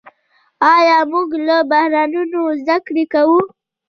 آیا موږ له بحرانونو زده کړه کوو؟